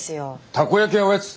たこ焼きはおやつ！